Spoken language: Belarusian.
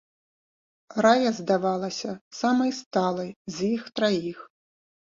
Рая здавалася самай сталай з іх траіх.